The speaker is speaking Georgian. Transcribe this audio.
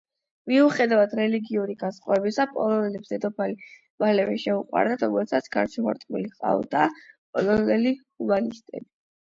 მიუხედავად რელიგიური განსხვავებისა, პოლონელებს დედოფალი მალევე შეუყვარდათ, რომელსაც გარშემორტყმული ჰყავდა პოლონელი ჰუმანისტები.